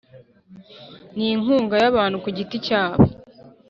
n inkunga y abantu ku giti cyabo